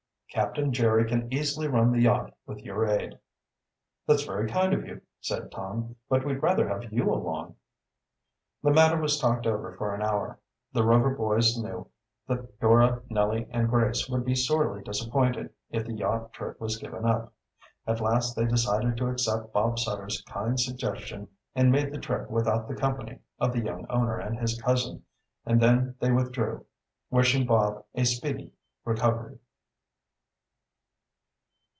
Captain Jerry can easily run the yacht with your aid." "That's very kind of you," said Tom. "But we'd rather have you along." The matter was talked over for an hour. The Rover boys knew that Dora, Nellie, and Grace would be sorely disappointed if the yacht trip was given up. At last they decided to accept Bob Sutter's kind suggestion and make the trip without the company of the young owner and his cousin; and then they withdrew, wishing Bob a speedy recovery.